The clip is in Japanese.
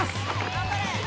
頑張れ！